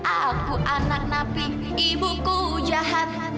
aku anak napi ibuku jahat